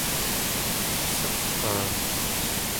tepsaqvaa!